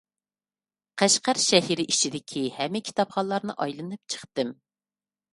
قەشقەر شەھىرى ئىچىدىكى ھەممە كىتابخانىلارنى ئايلىنىپ چىقتىم.